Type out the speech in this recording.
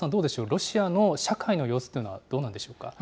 ロシアの社会の様子というのはどうなんでしょうか。